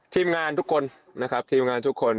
ทีมงานทุกคนนะครับทีมงานทุกคน